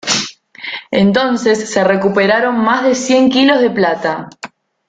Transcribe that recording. Entonces se recuperaron más de cien kilos de plata.